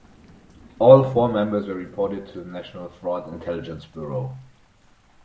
All four members were reported to the National Fraud Intelligence Bureau.